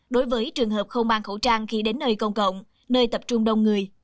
đối với trường hợp không mang khẩu trang khi đến nơi công cộng nơi tập trung đông người